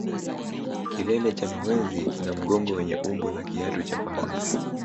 Kilele cha mawenzi kina mgongo wenye umbo la kiatu cha farasi